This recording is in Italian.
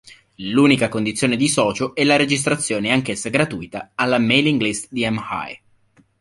L'unica condizione di socio è la registrazione, anch'essa gratuita, alla mailing list 'dm-l'.